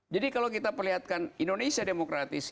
jadi kalau kita perlihatkan indonesia demokratis